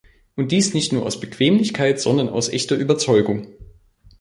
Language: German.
Und dies nicht nur aus Bequemlichkeit, sondern aus echter Überzeugung.